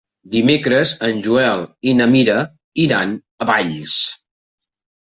Dimecres en Joel i na Mira iran a Valls.